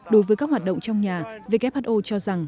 đối với các hoạt động trong nhà who cho rằng